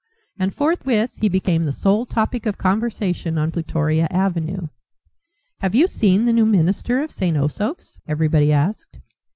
And forthwith he became the sole topic of conversation on Plutoria Avenue. "Have you seen the new minister of St. Osoph's?" everybody asked.